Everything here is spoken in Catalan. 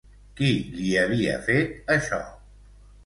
Qui li havia fet això?